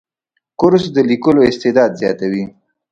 کورس د لیکلو استعداد زیاتوي.